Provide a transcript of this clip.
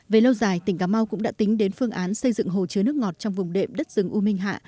về lâu dài tỉnh cà mau cũng đã tính đến phương án xây dựng hồ chứa nước ngọt trong vùng đệm đất rừng u minh hạ